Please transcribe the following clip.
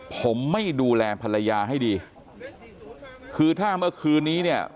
ผมไม่ดูแลภรรยาให้ดีคือถ้าเมื่อคืนนี้เนี่ย